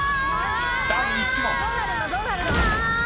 ［第１問］